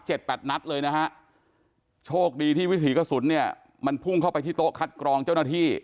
แปดนัดเลยนะฮะโชคดีที่วิถีกระสุนเนี่ยมันพุ่งเข้าไปที่โต๊ะคัดกรองเจ้าหน้าที่